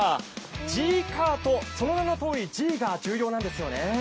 ＧーＫＡＲＴ、その名のとおりＧが重要なんですよね。